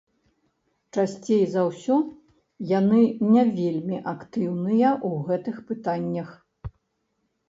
Часцей за ўсё, яны не вельмі актыўныя ў гэтых пытаннях.